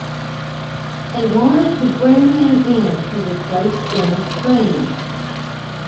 They wanted to bring him in to replace Dennis Green.